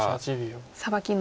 サバキの。